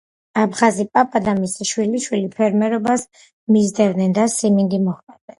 აფხაზი პაპა და მისი შვილიშვილი ფერმერობას მისდევენ და სიმინდი მოჰყავთ.